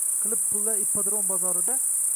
qilib pullar ippodrom bozorida